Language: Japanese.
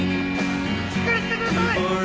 しっかりしてください！